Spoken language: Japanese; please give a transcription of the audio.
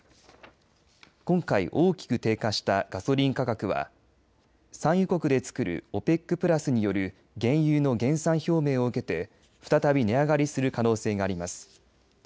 今回大きく低下したガソリン価格は産油国でつくるＯＰＥＣプラスによる原油の減産表明を受けて再び値上がりする可能性があります。